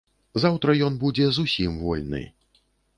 Заўтра ён будзе зусім вольны.